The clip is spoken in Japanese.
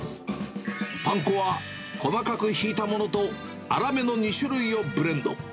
パン粉は細かくひいたものと、粗めの２種類をブレンド。